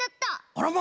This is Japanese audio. あらま！